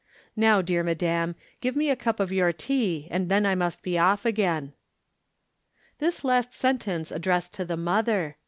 Now, dear madam, give me a cup of your tea, and then I must be off again." This last sentence addressed to the mother.